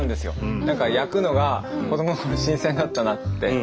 何か焼くのが子どものころ新鮮だったなって。